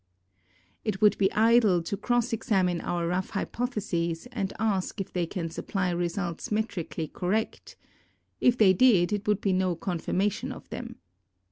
It would be idle to cross examine our rough hypotheses and ask if they can supply results metrically correct. If they did, it would be no confirmation of them.